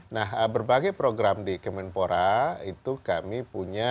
nah berbagai program di kemenpora itu kami punya